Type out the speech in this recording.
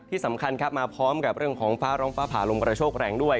ที่สำคัญครับมาพร้อมกับเรื่องของฟ้าร้องฟ้าผ่าลมกระโชคแรงด้วย